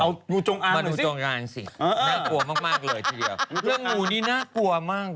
เอางูจงอางมาดูจงอางสิน่ากลัวมากมากเลยทีเดียวเรื่องงูนี่น่ากลัวมาก